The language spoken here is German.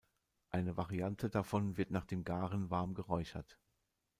Eine Variante davon wird nach dem Garen warm geräuchert.